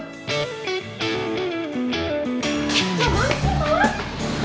gak maksudnya orang